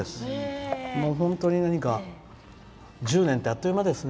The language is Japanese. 本当に何か１０年って、あっという間ですね。